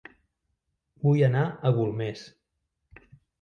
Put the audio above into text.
Vull anar a Golmés